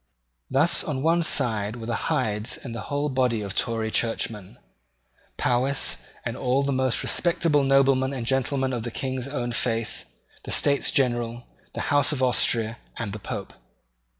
Thus on one side were the Hydes and the whole body of Tory churchmen, Powis and all the most respectable noblemen and gentlemen of the King's own faith, the States General, the House of Austria, and the Pope.